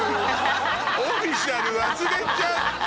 オフィシャル忘れちゃって。